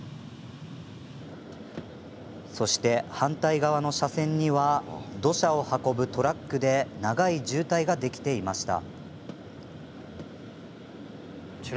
そして、反対側の車線には土砂を運ぶトラックで長い渋滞ができていました。